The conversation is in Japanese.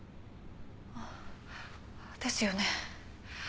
あっですよね。